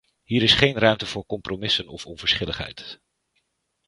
Hier is geen ruimte voor compromissen of onverschilligheid.